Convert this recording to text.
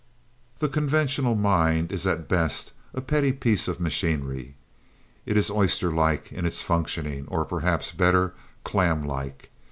The conventional mind is at best a petty piece of machinery. It is oyster like in its functioning, or, perhaps better, clam like.